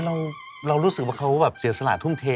เรารู้สึกว่าเขาแบบเสียสละทุ่มเท